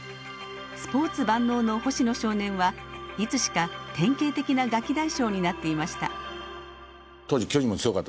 スポーツ万能の星野少年はいつしか典型的なガキ大将になっていました。